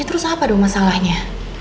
terus apa dong masalahnya